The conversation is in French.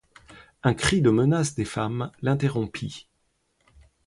Un cri de menace des femmes l'interrompit.